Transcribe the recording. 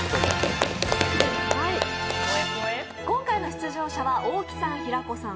今回の出場者は大木さん平子さん